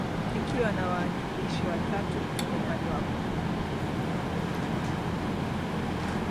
ikiwa na waakilishi watatu kutoka upande wa pnu